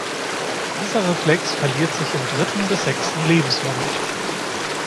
Dieser Reflex verliert sich im dritten bis sechsten Lebensmonat.